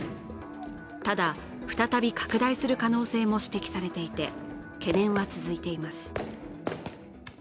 ただ、再び拡大する可能性も指摘されていて懸念は続いています。